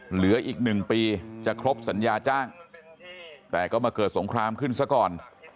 เหลืออีก๑ปีจะครบสัญญาจ้างแต่ก็มาเกิดสงครามขึ้นซะก่อน